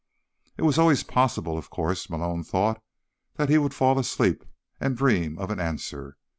It was always possible, of course, Malone thought, that he would fall asleep and dream of an answer.